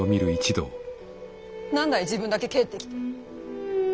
何だい自分だけ帰ってきて。